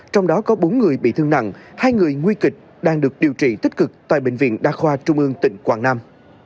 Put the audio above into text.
trong đó có bốn người bị thương nặng hai người nguy kịch đang được điều trị tích cực tại bệnh viện đa khoa trung ương tỉnh quảng nam